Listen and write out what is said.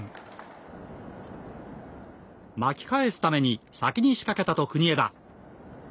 巻き返すために先に仕掛けたと国枝。